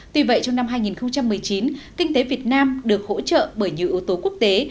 tuy vậy trong năm hai nghìn một mươi chín kinh tế việt nam được hỗ trợ bởi nhiều yếu tố quốc tế